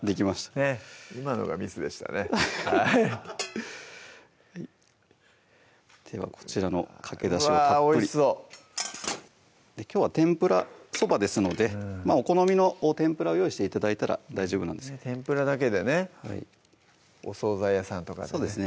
ねっ今のがミスでしたねではこちらのかけだしをたっぷりきょうは「天ぷらそば」ですのでお好みの天ぷらを用意して頂いたら大丈夫なんで天ぷらだけでねお総菜屋さんとかでね